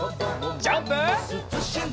ジャンプ！